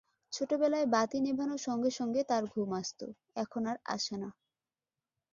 ছোটবেলায় বাতি নেভানোর সঙ্গে সঙ্গে তার ঘুম আসত, এখন আর আসে না ।